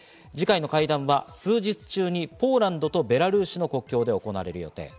次回の会談は数日中にポーランドとベラルーシの国境で行われる予定。